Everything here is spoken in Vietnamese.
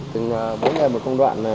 từng là mỗi ngày một công đoạn